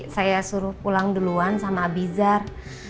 saya suruh pulang duluan sama abizar